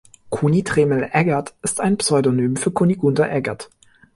Kuni Tremel-Eggert ist ein Pseudonym für Kunigunde Eggert.